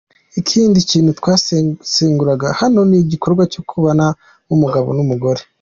Ikindi kintu twasesengura hano ni igikorwa cyo kubana nk’umugabo n’umugore.